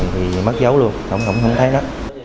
thì mất dấu luôn không thấy nó